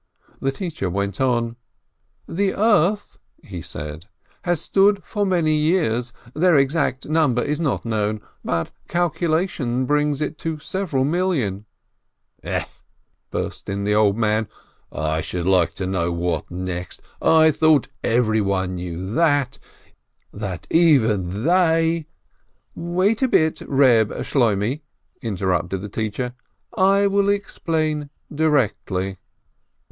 The teacher went on : "The earth," he said, "has stood for many years. Their exact number is not known, but calculation brings it to several million —" "E," burst in the old man, "I should like to know what next ! I thought everyone knew that — that even they —" "Wait a bit, Eeb Shloimeh," interrupted the teacher, "I will explain directly."